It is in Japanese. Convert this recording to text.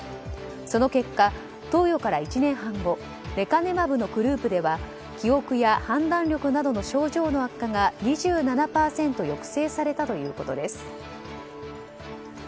その結果、投与から１年半後レカネマブのグループでは記憶や判断力などの症状の悪化が２７％抑制されたということです。